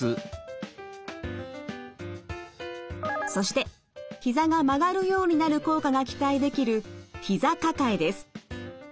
そしてひざが曲がるようになる効果が期待できるひざ抱えです。